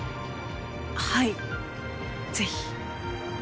はいぜひ。